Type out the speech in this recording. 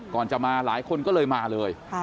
ก่อนจะมาหลายคนก็เลยมาเลย